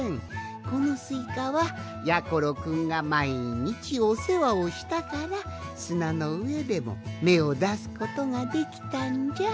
このスイカはやころくんがまいにちおせわをしたからすなのうえでもめをだすことができたんじゃ。